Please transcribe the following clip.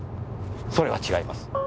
それは違います。